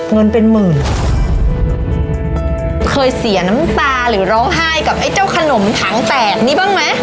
เงินเป็นหมื่นเคยเสียน้ำตาหรือร้องไห้กับไอ้เจ้าขนมถังแตกนี้บ้างไหม